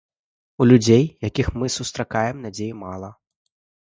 У людзей, якіх мы сустракаем, надзеі мала.